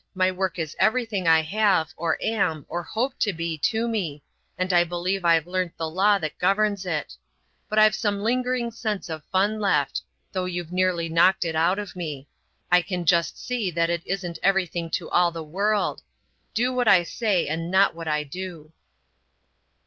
My work is everything I have, or am, or hope to be, to me, and I believe I've learnt the law that governs it; but I've some lingering sense of fun left,—though you've nearly knocked it out of me. I can just see that it isn't everything to all the world. Do what I say, and not what I do."